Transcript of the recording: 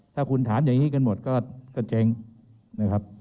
ถ้าคุณถามอย่างนี้กันหมดก็เจ๊งนะครับ